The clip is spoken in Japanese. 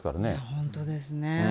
本当ですね。